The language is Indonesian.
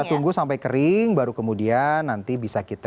kita tunggu sampai kering baru kemudian nanti bisa kita